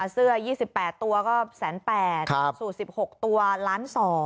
เสื้อ๒๘ตัวก็๑๘๐๐สูตร๑๖ตัวล้าน๒